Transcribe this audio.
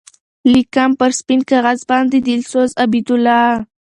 لیکم پر سپین کاغذ باندی دلسوز عبیدالله